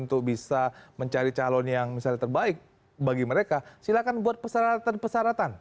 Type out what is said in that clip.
untuk bisa mencari calon yang misalnya terbaik bagi mereka silakan buat persyaratan persyaratan